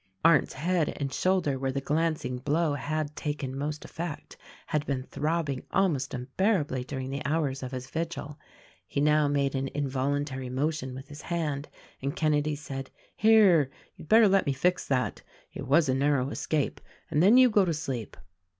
Arndt's head and shoulder where the glancing blow had taken most effect, had been throbbing almost unbear ably during the hours of his vigil. He now made an involuntary motion with his hand; and Kenedy said, "Here, you had better let me fix that (it was a narrow escape), and then you go to sleep."